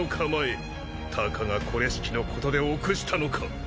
たかがこれしきのことで臆したのか抜刀斎。